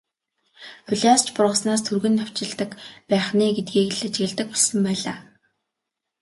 Улиас ч бургаснаас түргэн навчилдаг байх нь ээ гэдгийг л ажигладаг болсон байлаа.